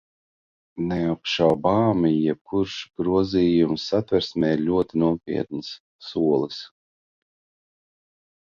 Neapšaubāmi, jebkurš grozījums Satversmē ir ļoti nopietns solis.